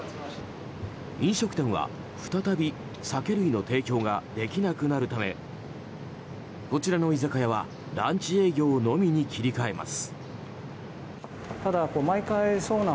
飲食店は再び酒類の提供ができなくなるためこちらの居酒屋はランチ営業のみに切り替えます。